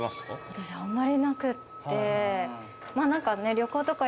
私あんまりなくって。